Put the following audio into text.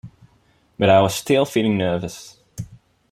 But I was still feeling nervous.